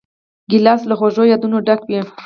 ګیلاس له خوږو یادونو ډک وي.